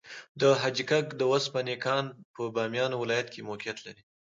د حاجي ګک د وسپنې کان په بامیان ولایت کې موقعیت لري.